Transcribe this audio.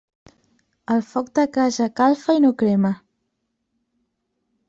El foc de casa calfa i no crema.